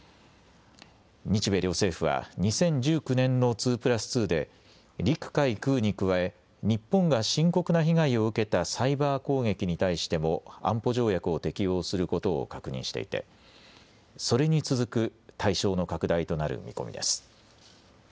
日米両政府は２０１９年の２プラス２で陸海空に加え日本が深刻な被害を受けたサイバー攻撃に対しても安保条約を適用することを確認していてそれに続く対象の拡大となる見込みです。